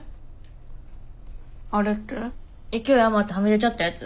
勢い余ってはみ出ちゃったやつ？